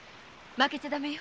負けちゃだめよ。